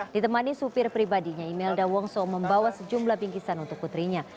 ditemani supir pribadinya imelda wongso membawa sejumlah bingkisan untuk putrinya